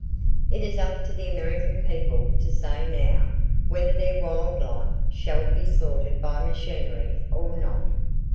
It is up to the American People to say now whether their wild life shall be slaughtered by machinery, or not.